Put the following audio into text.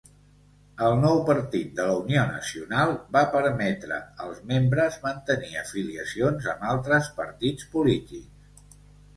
El nou partit de la Unió Nacional va permetre als membres mantenir afiliacions amb altres partits polítics.